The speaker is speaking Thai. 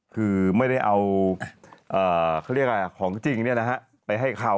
คือไม่ได้เอาของจริงไปให้เขา